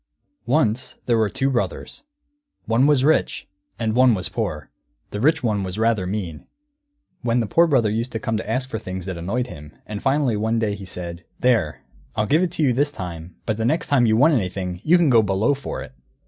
] Once there were two brothers. One was rich, and one was poor; the rich one was rather mean. When the Poor Brother used to come to ask for things it annoyed him, and finally one day he said, "There, I'll give it to you this time, but the next time you want anything, you can go Below for it!"